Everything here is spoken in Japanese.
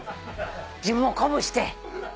自分を鼓舞して。